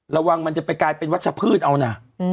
มันจะไปกลายเป็นวัชพืชเอานะ